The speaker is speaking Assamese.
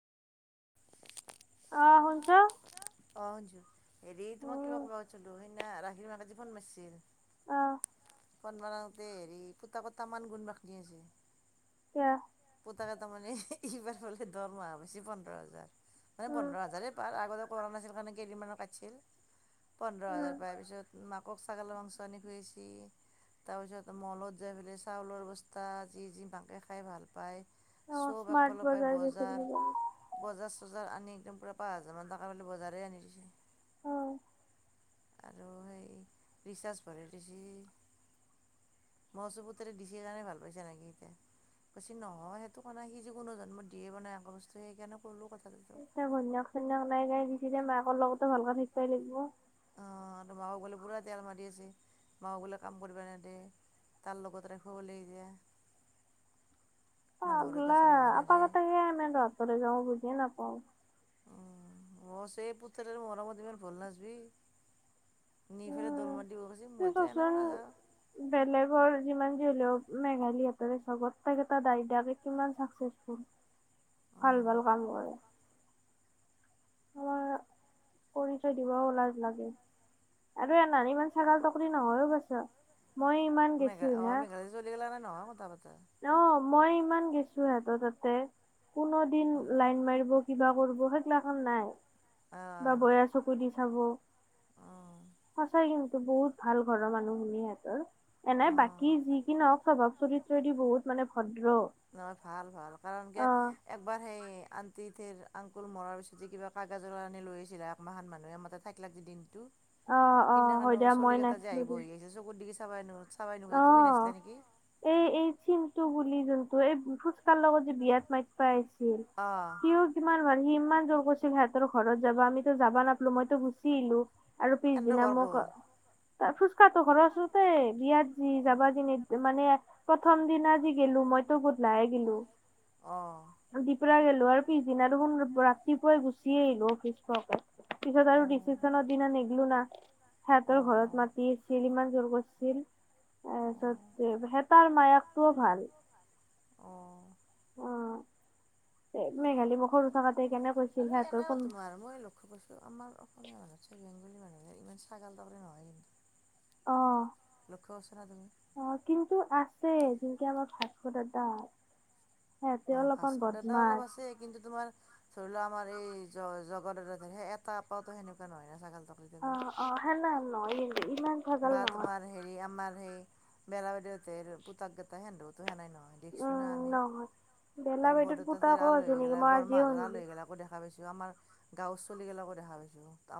অ' শুনছ? অ' শুনিছোঁ, হেৰি তোমাক কিবা উম, ক'ব খুজছিলোঁ সেইদিনা ৰাখিৰ মাকে ফোন মাৰিছিল। অ'। ফণ বনাওঁতে হেৰি পোতা পটামান গুণবা দি আছে। এয়া। পোতাকাটা তাৰ মানে এইবাৰ হ'লে দৰমহা পাইছে পোন্ধৰ হাজাৰ। মানে উম, পোন্ধৰ হাজাৰে পাৰ, আগতে কৰা নাছিল কাৰণ কেইদিমানৰ কাটছিল। পোন্ধৰ হাজাৰ উম, পাই, পিছত মাকক ছাগলৰ মাংস আনি খুৱাইছে। তাৰপিছত মলত যাই পেলাই চাউলৰ বস্তা যি যি মাকে খাই ভাল পায় অ', চব স্মাৰ্ট একফালৰ পৰাই গৈছিলি বজাৰ জানো? বজাৰ-চজাৰ আনি একদম পুৰা পাঁচ হাজাৰমান টকাৰ বজাৰেই আনি দিছে। অ'। আৰু এই ৰিচাৰ্জ ভৰে দিছি। মই কৈচু পুতেৰে দিছে কাৰণে ভাল পাইছে নেকি এতিয়া। কৈচি নহয় সেইটো কোৱানাই সি যে কোনো জন্মত দিয়ে পনাই আক বস্তু সেইকাৰণে কলোঁ কথাটোতো। ঘৈন্যক-চন্যক [unintelligible] মাকৰ লগতো ভালকৈ থাকিবাই লাগিব। অ তো মাকক বোলে পুৰা তেল মাৰি আছে মাকক বোলে কাম কৰিবা নেদে। তাৰ লগত ৰাখিব বোলে এতিয়া। মানুহ ঘৰত পাগলা বাচন ধুব আপ নেদে কথা [unintelligible] বুজিয়ে নাপাওঁ। অ অ মই কৈছোঁ এ পুতেৰ মোৰ মৰমত ইমান ভাল নাচিবি। নি ফেলে উম, দলমাৰি [unintelligible] বেলেগৰ যিমান যি হ'লেও মেঘালীহতৰে চাওঁ গোটাই কেইটা দাইদাৰে কিমান চাকচেচফুল। ভাল অঁ ভাল কাম কৰে। আমাৰ পৰিচয় দিবও লাজ লাগে। আৰু এনাৰ ইমান ছাগাল তকলি নহয়ও বাচ্ছা, মই ইমান গেছো মেঘেলা অ না মেঘেলাী [unintelligible] নহয় কথা পাতা অ মই ইমান গেছো সিহঁতৰ তাতে কোনো দিন লাইন মাৰিব কিবা কৰিব, সেইগিলা নাই বা অঁ বয়া চকু দি চাব অঁ সঁচাই কিন্তু বহুত ভাল ঘৰৰ মানুহ শুনি সিহঁতৰ। এনে অঁ বাকী যি কি নহক স্বভাৱ চৰিত্ৰ দি বহুত মানে ভদ্ৰ। নহয়, ভাল ভাল কাৰণ কিয় অ একবাৰ সেই আন্তটিঠিৰ আংকুল মৰাৰ পিছত যে কিবা কাগজৰ কাৰনে লৈ আছিলা, একমাহান মানুহে আমাৰ থাকে দনটো, অ অ হয় সেইদিনাখনও দিয়া চলি মই কেইটা যে নাছিলো আহি দে বহি চকুত দিগি চাব নুখু চাবাই নুখুজে, তুমি অ। নাছিলা নেকি? এই এই চিন্তো বুলি যোনটো এই তাৰ লগত যে বিয়াত মাতবা আছিল অঁ সিওঁ ইমান মান সি ইমান জোৰ কৰিছিল সিহঁতৰ ঘৰত যাবা আমিতো যাবা নাপালো মইতো গুচি আহিলো, আৰু সেন্দৰ পিছদিনা ঘৰ ক'ত মোক ফুচকাহঁতৰ ঘৰৰ ওচৰতে বিয়াত যি যাবা যি মানে প্ৰথম দিনা আজি গেলো মই তো গুধূলা হে গিলো অ। দিপ্ৰা গেলো আৰু পিছদিনা দেখোন ৰাতিপুৱাই গুচিয়ে আহিলো অফিচ পোৱাকে। পিছত আৰু অঁ ৰিচিপচনৰ দিনা নেগলো না সিহঁতৰ অঁ অঁ ঘৰত মাতি সি ইমান জোৰ কৰিছিল অঁ তাৰ হেতাৰ মায়েকটোও ভাল অঁ অ। এ মেঘালী মোক সৰু থাকোঁতে সেইকাৰণে আৰু এনোইও তোমাৰ আৰু মই লগ আমাৰ অসমীয়া মানুহত চে বেংগলী মানুহে ইমান ছাগাল দৰে নহয় কিন্তু। অ লক্ষ্য কৰিছা নে তুমি? অ কিন্তু আছে যিনকে আমাৰ ভাস্কৰ দাদাহত অ ভাস্কৰ দাদা অলপ আছে কিন্তু তোমাৰ ধৰি লও আমাৰ এই জ-জগৰ দাদ সেই এটা আপাতো সেনেকুৱা নহয় না ছাগাল তটকলি অ টাইপৰ। অ সেনে হেন নহয় কিন্তু ইমান বা ভেজাল তোমাৰ নহয় হেৰি আমাৰ সেই [unintelligible] পুতাককেইটা সেন্দতো হেনাই নহয়। দেখিছো না উম আমি, নহয় বেলা আৰু বাইদেউৰ বৰদেউতা পুতাকো আছে [unintelligible] নেকি গেলা মই আজিয়ে শুনিলো বৰমাহঁতৰ [unintelligible] দেখা পাইছো। আমাৰ গাঁওৰ ছোৱালী গেলাকো দেখা পাইছো